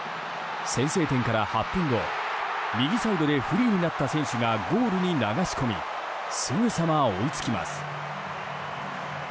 先制点から８分後右サイドでフリーになった選手がゴールに流し込みすぐさま追いつきます。